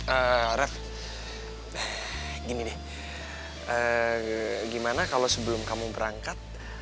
eh ref gini deh gimana kalau sebelum kamu berangkat